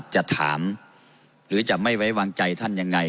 จะถามหรือจะไม่ไว้วางใจท่านยังไง